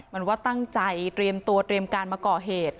มันว่าตั้งใจเตรียมตัวเตรียมการมาก่อเหตุ